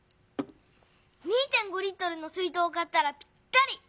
２．５Ｌの水とうを買ったらぴったり。